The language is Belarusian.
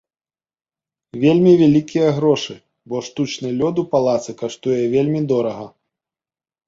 Вельмі вялікія грошы, бо штучны лёд у палацы каштуе вельмі дорага.